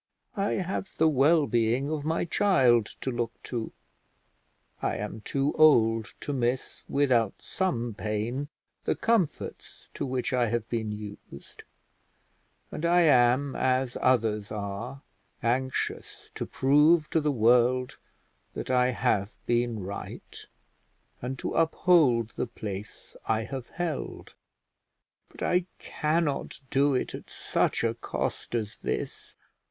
I have the well being of my child to look to. I am too old to miss without some pain the comforts to which I have been used; and I am, as others are, anxious to prove to the world that I have been right, and to uphold the place I have held; but I cannot do it at such a cost as this.